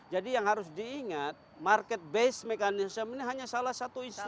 jadi yang harus diingat market based mechanism ini hanya salah satu instrumen